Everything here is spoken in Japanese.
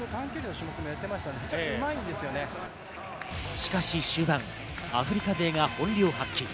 しかし終盤、アフリカ勢が本領発揮。